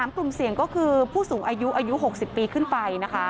๓กลุ่มเสี่ยงก็คือผู้สูงอายุ๖๐ปีขึ้นไป